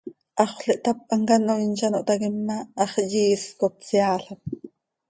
Haxöl ihtáp, hamcanoiin z ano htaquim ma, hax yiisc oo, tseaalam.